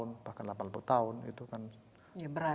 harus ada pendamping dan sebagainya itu jadi menambah juga